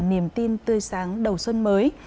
niềm tin tươi sáng đầu xuân mới